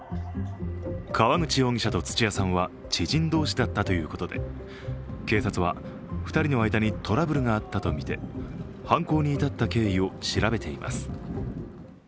川口容疑者と土屋さんは知人同士だったということで警察は２人の間にトラブルがあったとみて犯行に至った経緯を調べています。